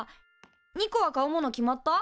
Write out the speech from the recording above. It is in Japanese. ニコは買うもの決まった？